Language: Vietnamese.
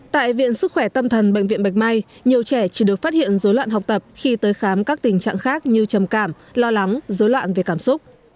tại viện sức khỏe tâm thần bệnh viện bạch mai nhiều trẻ chỉ được phát hiện dối loạn học tập khi tới khám các tình trạng khác như trầm cảm lo lắng dối loạn về cảm xúc